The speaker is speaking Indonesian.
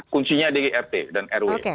kuncinya di rt dan rw